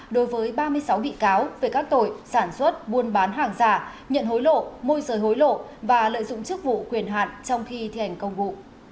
đối với ba mươi sáu bị cáo về các tội sản xuất buôn bán hàng giả nhận hối lộ môi rời hối lộ và lợi dụng chức vụ quyền hạn trong khi thi hành công vụ